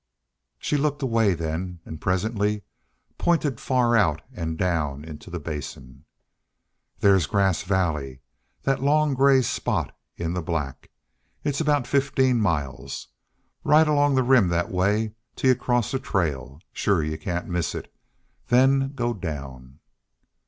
She looked away then, and presently pointed far out and down into the Basin. "There's Grass Valley. That long gray spot in the black. It's about fifteen miles. Ride along the Rim that way till y'u cross a trail. Shore y'u can't miss it. Then go down."